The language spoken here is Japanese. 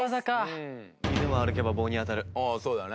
ああそうだね。